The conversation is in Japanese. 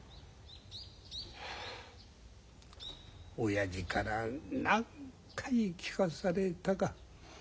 親父から何回聞かされたか。